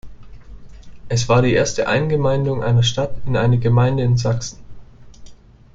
Es war die erste Eingemeindung einer Stadt in eine Gemeinde in Sachsen.